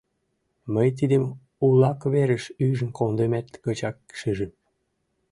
Мый тидым улак верыш ӱжын кондымет гычак шижым.